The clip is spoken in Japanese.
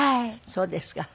そうですか。